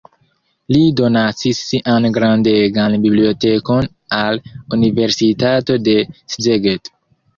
Li donacis sian grandegan bibliotekon al universitato de Szeged.